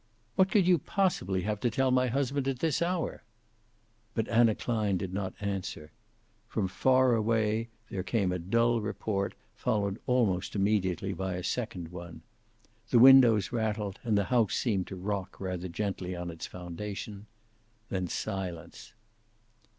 "What could you possibly have to tell my husband at this hour." But Anna Klein did not answer. From far away there came a dull report followed almost immediately by a second one. The windows rattled, and the house seemed to rock rather gently on its foundation. Then silence.